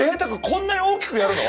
こんなに大きくやるの？